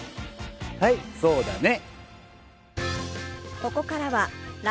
はいそうだね